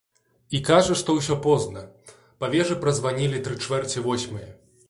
І кажа, што ўжо позна, па вежы празванілі тры чвэрці восьмае.